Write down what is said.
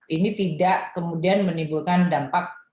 ini tidak kemudian menimbulkan dampak